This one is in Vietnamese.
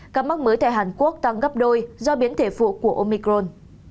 các mắc mới tại hàn quốc tăng gấp đôi do biến thể phụ của omicron